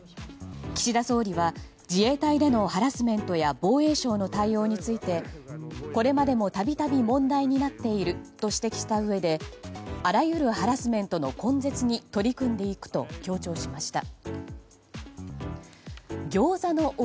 岸田総理は自衛隊でのハラスメントや防衛省の対応についてこれまでもたびたび問題になっていると指摘したうえであらゆるハラスメントの根絶に取り組んでいくと強調しました。